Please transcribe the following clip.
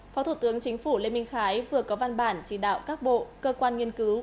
phó thủ tướng chính phủ lê minh khái vừa có văn bản chỉ đạo các bộ cơ quan nghiên cứu